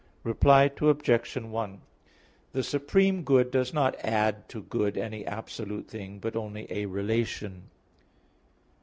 Reply Obj. 1: The supreme good does not add to good any absolute thing, but only a relation.